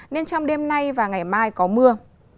nên trong đêm nay và ngày mai có mưa